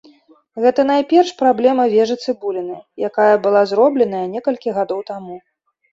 Гэта найперш праблема вежы-цыбуліны, якая была зробленая некалькі гадоў таму.